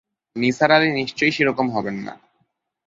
নিসার আলি নিশ্চয়ই সেরকম হবেন না।